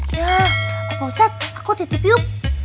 ya opa ustadz takut ditipiup